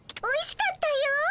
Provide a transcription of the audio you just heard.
おいしかったよ。